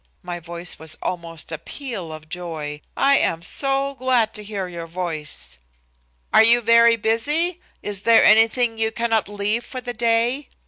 My voice was almost a peal of joy. "I am so glad to hear your voice." "Are you very busy? Is there anything you cannot leave for the day?"